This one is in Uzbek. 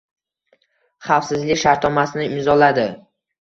xavfsizlik shartnomasini imzoladi.